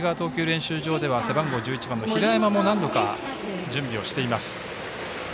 練習場では背番号１１番の平山も何度か準備をしています。